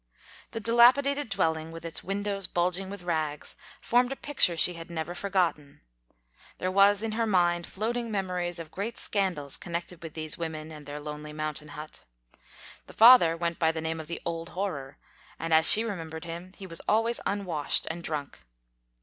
The dilapidated dwelling, with its windows bulging with rags, formed a picture she had 8o THE KALLIKAK FAMILY never forgotten. There were in her mind floating memories of great scandals connected with these women and their lonely mountain hut. The father went by the name of the "Old Horror," and as she remembered him, he was always unwashed and drunk.